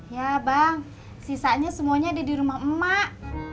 ya bang sisanya semuanya ada di rumah emak